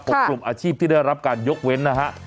กลุ่มอาชีพที่ได้รับการยกเว้นนะฮะ